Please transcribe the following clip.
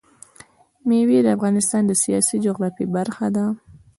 مېوې د افغانستان د سیاسي جغرافیه برخه ده.